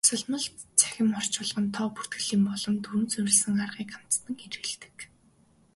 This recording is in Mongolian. Хосолмол цахим орчуулгад тоо бүртгэлийн болон дүрэм суурилсан аргыг хамтад нь хэрэглэдэг.